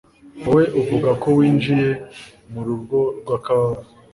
Wowe uvuga ko winjiye mu rugo rw'akababaro